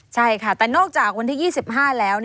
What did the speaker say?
ใช่ค่ะแต่นอกจากวันที่๒๕แล้ว